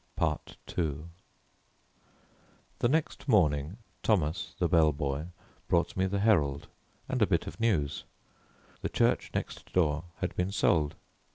II The next morning, Thomas, the bell boy, brought me the Herald and a bit of news. The church next door had been sold.